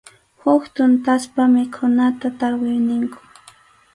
Huk tuntaspa mikhunata tarwi ninkum.